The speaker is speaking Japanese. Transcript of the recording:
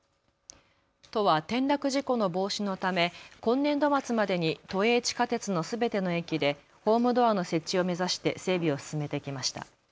都は転落事故の防止のため今年度末までに都営地下鉄のすべての駅でホームドアの設置を目指して整備を進めてきました。